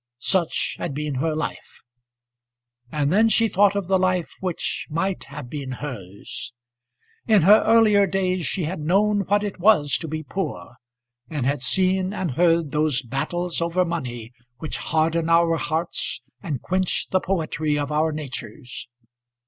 Such had been her life; and then she thought of the life which might have been hers. In her earlier days she had known what it was to be poor, and had seen and heard those battles after money which harden our hearts, and quench the poetry of our natures.